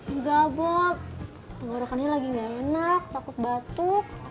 enggak bok tenggorokannya lagi gak enak takut batuk